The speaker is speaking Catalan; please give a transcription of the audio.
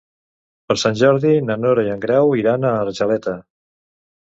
Per Sant Jordi na Nora i en Grau iran a Argeleta.